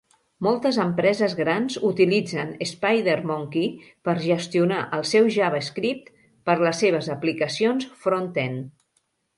Moltes empreses grans utilitzen SpiderMonkey per gestionar el seu JavaScript per les seves aplicacions front-end.